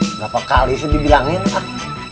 berapa kali sih dibilangin kak